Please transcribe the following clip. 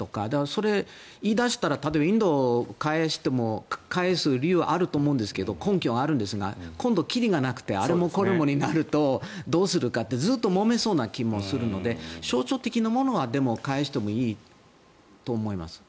それを言い出したらインドに返す理由はあると思うんですけど根拠はあるんですが今度はきりがなくてあれもこれもになるとどうするかってずっともめそうな気もするので象徴的なものは返してもいいと思います。